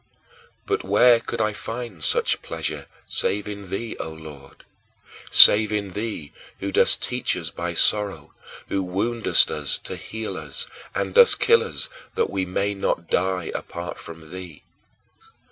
But where could I find such pleasure save in thee, O Lord save in thee, who dost teach us by sorrow, who woundest us to heal us, and dost kill us that we may not die apart from thee.